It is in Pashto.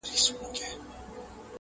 خپل گرېوان او خپل وجدان ته ملامت سو،